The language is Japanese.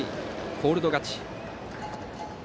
コールド勝ち。